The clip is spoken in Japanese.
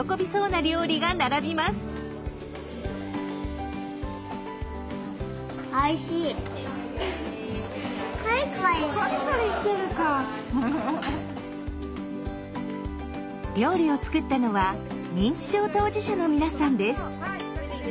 料理を作ったのは認知症当事者の皆さんです。